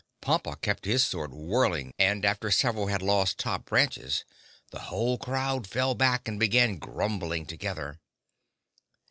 Pompa kept his sword whirling and, after several had lost top branches, the whole crowd fell back and began grumbling together.